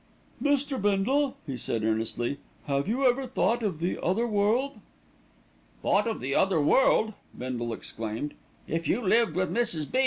"Mr. Bindle," he said earnestly, "have you ever thought of the other world?" "Thought of the other world!" Bindle exclaimed. "If you lived with Mrs. B.